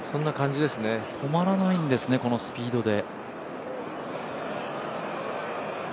止まらないんですね、このスピードで。